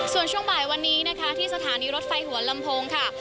ส่วนช่วงบ่ายวันนี้นะคะที่สถานีรถไฟหัวลำโพงค่ะ